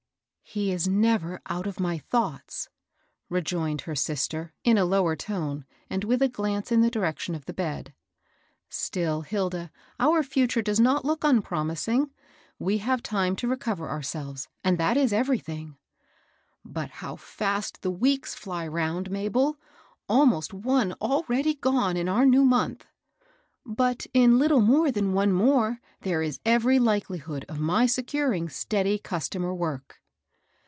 He is never out of my thoughts,'*' rejoined her sister, in a lower tone, and with a glance in the direction of the bed. " Still, Hilda, our fiitura does not look unpromi^g. We have time to re cover ourselves ; and that is everything." " But how fiist the weeks fly round, Mabel I — almost one already gone in our new month I "" But in litde more than one more there is every likelihood of my securing steady customer work."